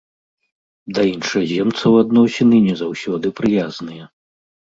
Да іншаземцаў адносіны не заўсёды прыязныя.